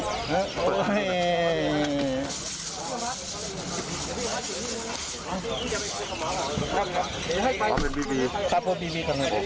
เอาเป็นบีบี